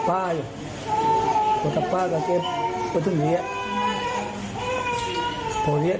วันนี้ทีมข่าวไทยรัฐทีวีไปสอบถามเพิ่ม